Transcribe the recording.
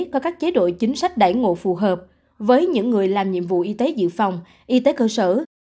có các chế độ chính sách đẩy ngộ phù hợp với những người làm nhiệm vụ y tế dự phòng y tế cơ sở